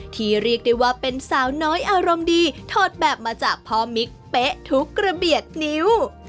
เรียกได้ว่าเป็นสาวน้อยอารมณ์ดีถอดแบบมาจากพ่อมิ๊กเป๊ะทุกระเบียดนิ้ว